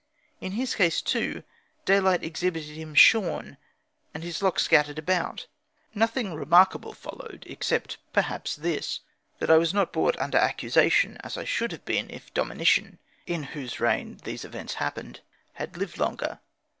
In his case, too, daylight exhibited him shorn, and his locks scattered around. Nothing remarkable followed, except, perhaps, this, that I was not brought under accusation, as I should have been, if Domitian (in whose reign these events happened) had lived longer.